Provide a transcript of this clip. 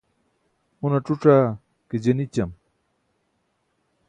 un ac̣uc̣aa ke je nićam